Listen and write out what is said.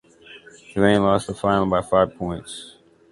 Cavan lost the final by five points.